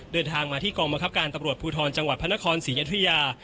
เดินทางมาที่กองบังคับการตำรวจภูทรจังหวัดพระนครศรีอยุธยา